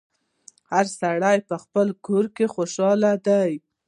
هر سړی په خپل کور کي خوشحاله دی